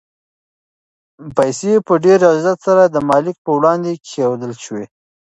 پیسې په ډېر عزت سره د مالک په وړاندې کېښودل شوې.